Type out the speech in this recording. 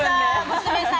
娘さん